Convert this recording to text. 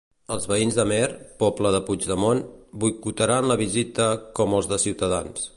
Els veïns d'Amer, poble de Puigdemont, boicotaran la visita com els de Ciutadans.